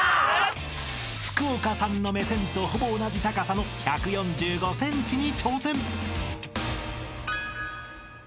［福岡さんの目線とほぼ同じ高さの１４５ｃｍに挑戦］